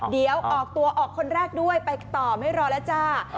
เดี๋ยวออกตัวออกคนแรกด้วยไปต่อไม่รอแล้วจ้า